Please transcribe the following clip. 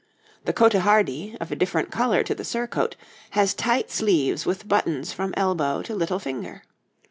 The cotehardie, of a different colour to the surcoat, has tight sleeves with buttons from elbow to little finger.